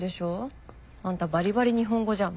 あんたバリバリ日本語じゃん。